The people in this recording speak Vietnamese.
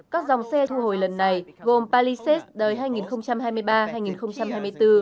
các dòng xe thu hồi lần này gồm palisat đời hai nghìn hai mươi ba hai nghìn hai mươi bốn